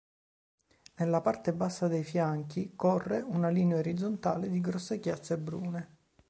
Nella parte bassa dei fianchi corre una linea orizzontale di grosse chiazze brune.